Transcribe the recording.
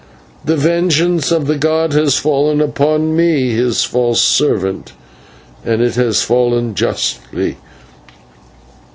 The vengeance of the god has fallen upon me, his false servant, and it has fallen justly.